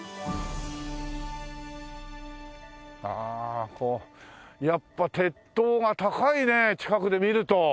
ああこうやっぱ鉄塔が高いねえ近くで見ると。